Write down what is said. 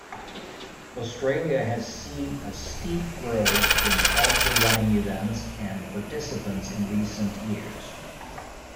Australia has seen a steep growth in Ultrarunning events and participants in recent years.